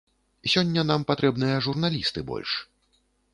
Сёння нам патрэбныя журналісты больш.